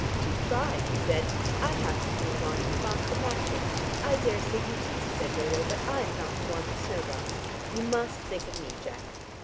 "Do try," he said. "I happen to be in want of a box of matches." "I daresay you do," said Dodo, "but I'm not in want of snowdrops. You must think of me, Jack."